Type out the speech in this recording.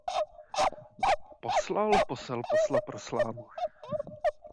Poslal posel posla pro slámu.